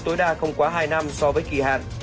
tối đa không quá hai năm so với kỳ hạn